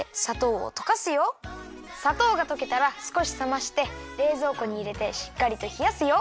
さとうがとけたらすこしさましてれいぞうこにいれてしっかりとひやすよ。